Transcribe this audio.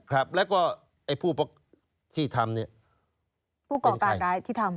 ครับแล้วก็ไอ้ผู้ที่ทำเนี่ยผู้ก่อการร้ายที่ทำ